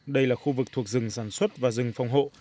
đây là khu vực thuộc rừng sản xuất và rừng phòng hộ